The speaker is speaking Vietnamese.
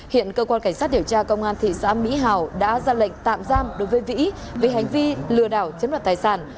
hiện cơ quan cảnh sát điều tra công an thị xã mỹ hào đã ra lệnh tạm giam đối với vĩ về hành vi lừa đảo chiếm đoạt tài sản